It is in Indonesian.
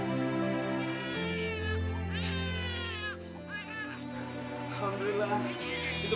masalah itu mah kita bisa bicarain lain waktu itu